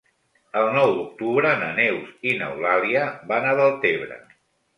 El nou d'octubre na Neus i n'Eulàlia van a Deltebre.